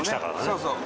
そうそう。